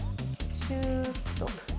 シューッと。